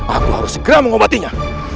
aku harus segera mengobatinya